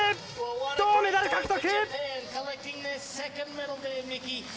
銅メダル獲得！